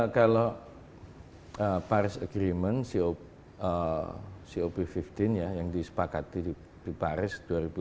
kalau paris agreement cop lima belas ya yang disepakati di paris dua ribu dua puluh